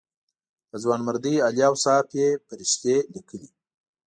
د ځوانمردۍ عالي اوصاف یې فرښتې لیکلې.